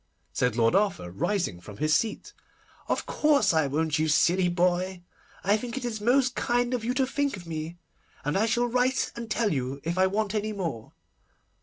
said Lord Arthur, rising from his seat. 'Of course I won't, you silly boy. I think it is most kind of you to think of me, and I shall write and tell you if I want any more.